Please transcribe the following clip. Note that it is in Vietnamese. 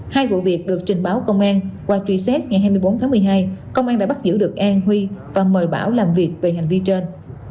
hai vụ việc được trình báo công an qua truy xét ngày hai mươi bốn tháng một mươi hai công an đã bắt giữ được an huy và mời bảo làm việc về hành vi trên